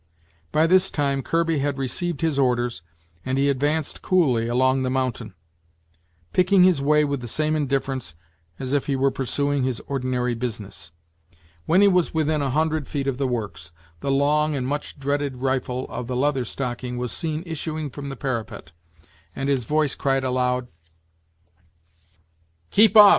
By this time, Kirby had received his orders, and he advanced coolly along the mountain, picking his way with the same indifference as if he were pursuing his ordinary business. When he was within a hundred feet of the works, the long and much dreaded rifle of the Leather Stocking was seen issuing from the parapet, and his voice cried aloud: "Keep off!